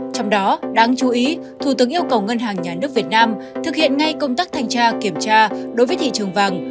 trong đó đáng chú ý thủ tướng yêu cầu ngân hàng nhà nước việt nam thực hiện ngay công tác thanh tra kiểm tra đối với thị trường vàng